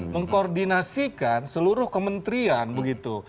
mengkoordinasikan seluruh kementerian begitu